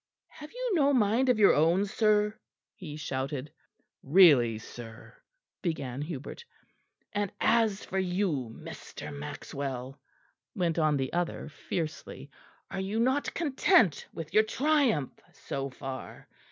Have you no mind of your own, sir?" he shouted. "Really, sir " began Hubert. "And as for you, Mr. Maxwell," went on the other fiercely, "are you not content with your triumph so far?